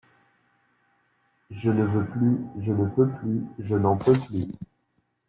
Je ne veux plus, je ne peux plus, je n’en peux plus.